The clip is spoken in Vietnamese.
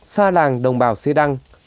xa làng đồng bào xê đăng